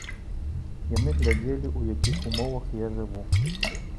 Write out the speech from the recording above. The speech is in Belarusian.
Яны глядзелі, у якіх умовах я жыву.